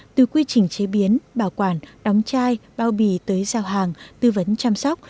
từ quy trình chế biến bảo quản đóng chai bao bì tới giao hàng tư vấn chăm sóc